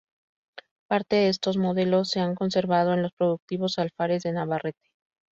Parte de estos modelos se han conservado en los productivos alfares de Navarrete.